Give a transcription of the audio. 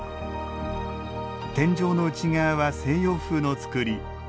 天井の内側は西洋風の造り。